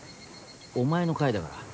お前の回だから。